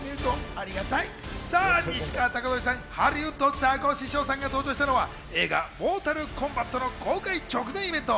西川貴教さん、ハリウッドザコシショウさんが登場したのは映画『モータルコンバット』の公開直前イベント。